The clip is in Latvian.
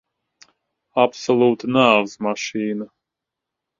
Absolūta nāves mašīna.